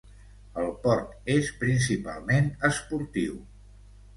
El port és principalment esportiu.